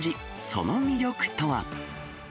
その魅力とは。